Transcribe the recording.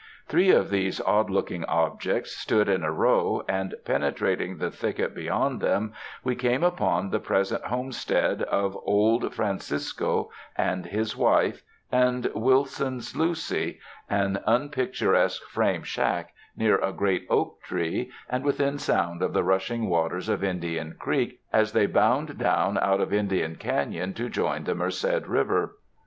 Three of these odd looking objects stood in a row, and penetrating the thicket beyond them, we came upon the present homestead of old Fran cisco and his wife and Wilson's Lucy — an unpic 67 UNDER THE SKY IN CALIFORNIA turesque frame shack near a great oak tree and within sound of the rushing waters of Indian Creek as they bound down out of Indian Canon to join the Merced River.